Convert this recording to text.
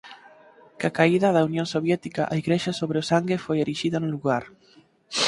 Coa caída da Unión Soviética a Igrexa sobre o Sangue foi erixida no lugar.